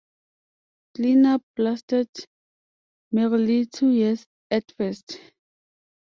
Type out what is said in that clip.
Cleanup lasted merely two years at first.